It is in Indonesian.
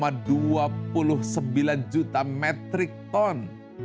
yang sebagiannya merupakan sampah plastik